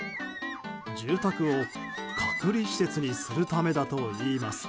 住宅を隔離施設にするためだといいます。